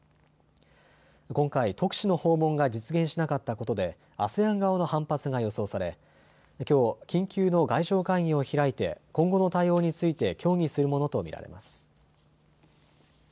今回、特使の訪問が実現しなかったことでＡＳＥＡＮ側の反発が予想されきょう、緊急の外相会議を開いて今後の対応について協議するものと見られます。